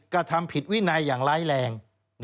กระทำผิดวินัยอย่างร้ายแรง